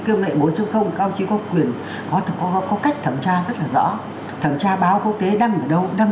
cơ nghệ bốn các đồng chí có quyền có có có cách thẩm tra rất là rõ thẩm tra báo quốc tế đăng ở đâu đăng